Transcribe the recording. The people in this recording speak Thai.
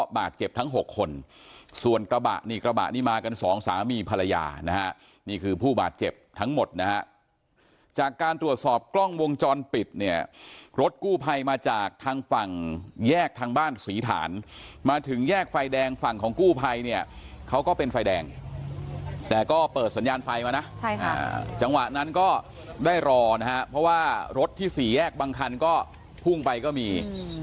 บาดเจ็บทั้ง๖คนส่วนกระบะนี่กระบะนี้มากันสองสามีภรรยานะฮะนี่คือผู้บาดเจ็บทั้งหมดนะฮะจากการตรวจสอบกล้องวงจรปิดเนี่ยรถกู้ภัยมาจากทางฝั่งแยกทางบ้านศรีฐานมาถึงแยกไฟแดงฝั่งของกู้ภัยเนี่ยเขาก็เป็นไฟแดงแต่ก็เปิดสัญญาณไฟมานะจังหวะนั้นก็ได้รอนะฮะเพราะว่ารถที่สี่แยกบางคันก็พุ่งไปก็มี